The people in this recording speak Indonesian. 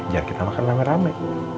biar kita makan rame rame